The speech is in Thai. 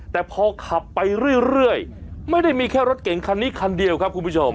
แต่พอขับไปเรื่อยไม่ได้มีแค่รถเก่งคันนี้คันเดียวครับคุณผู้ชม